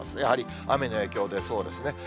やはり雨の影響出そうですね。